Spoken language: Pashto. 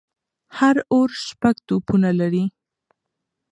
هر اوور شپږ توپونه لري.